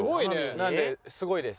なのですごいです。